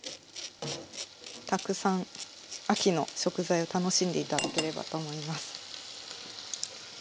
たくさん秋の食材を楽しんで頂ければと思います。